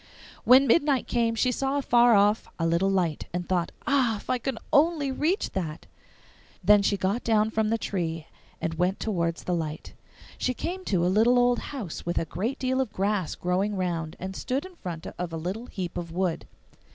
When midnight came she saw afar off a little light, and thought, 'Ah! if only I could reach that!' Then she got down from the tree and went towards the light. She came to a little old house with a great deal of grass growing round, and stood in front of a little heap of wood.